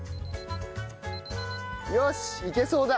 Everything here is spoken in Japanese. よしいけそうだ。